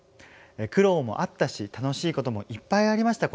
苦労もあったし楽しいこともいっぱいありました